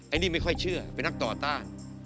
อันนี้ไม่ค่อยเชื่อเป็นนักต่อต้าน